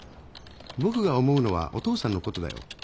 僕が思うのはお父さんのことだよ。